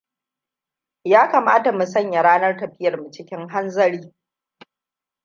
Ya kamata mu sanya ranar tafiyarmu cikin hanzari.